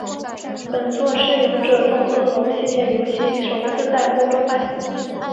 本作是勇者斗恶龙系列游戏首次在欧洲发行。